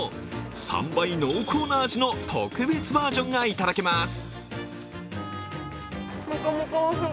３倍濃厚な味の特別バージョンがいただけます。